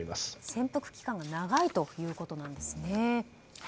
潜伏期間が長いということなんですね。